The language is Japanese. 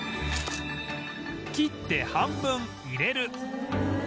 切って半分入れる